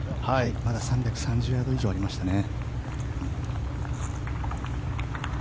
まだ３３０ヤード以上ありましたね。